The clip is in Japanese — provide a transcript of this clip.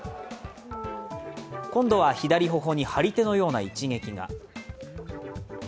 今度は左頬に張り手のような一撃が。